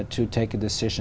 một lý do thứ ba